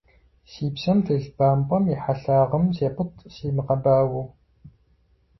Си псэм телъ бампӏэм и хьэлъагъым сепӀытӀ, симыгъэбауэу.